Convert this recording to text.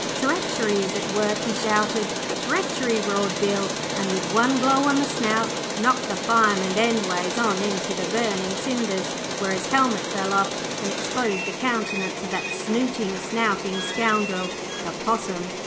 'Treachery is at work,' he shouted. 'Treachery,' roared Bill, and with one blow on the snout knocked the Fireman endways on into the burning cinders, where his helmet fell off, and exposed the countenance of that snooting, snouting scoundrel, the Possum.